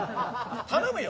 頼むよ。